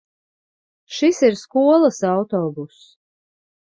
Šis ir skolas autobuss.